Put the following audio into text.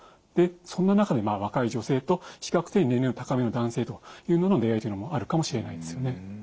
そんな中で若い女性と比較的年齢の高めの男性というのの出会いというのもあるかもしれないですよね。